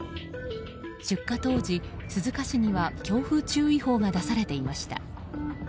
出火当時、鈴鹿市には強風注意報が出されていました。